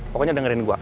pokoknya dengerin gue